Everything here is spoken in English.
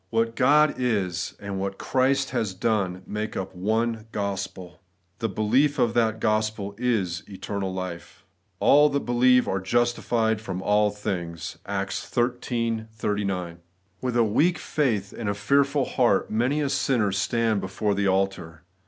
What God is, and what Christ has done, make up one gospel. The belief of that gospel is eternal life. ' All that believe are justified from all things ' (Acts xiii 39). With a weak faith and a fearful heart many a sinner stands before the altar.